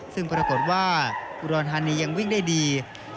ซึ่งปรากฏว่าอุดรธานียังวิ่งได้ดี